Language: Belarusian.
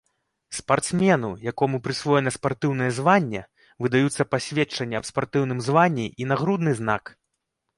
Спартсмену, якому прысвоена спартыўнае званне, выдаюцца пасведчанне аб спартыўным званні і нагрудны знак.